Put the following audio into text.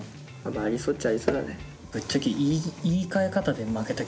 ありそうっちゃありそうだね。